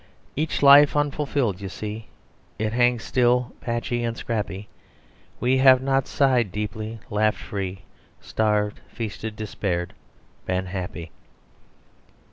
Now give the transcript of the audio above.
"Each life unfulfilled, you see; It hangs still, patchy and scrappy: We have not sighed deep, laughed free, Starved, feasted, despaired, been happy."